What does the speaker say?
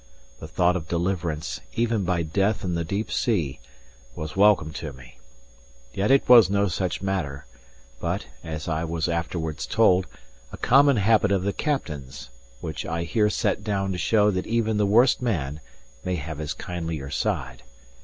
The thought of deliverance, even by death in the deep sea, was welcome to me. Yet it was no such matter; but (as I was afterwards told) a common habit of the captain's, which I here set down to show that even the worst man may have his kindlier side.